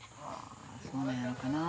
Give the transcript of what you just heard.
そうなんやろかなあ。